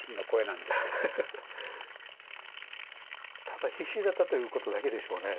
ただ必死だったということだけでしょうね。